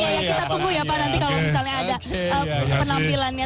ya kita tunggu ya pak nanti kalau misalnya ada penampilannya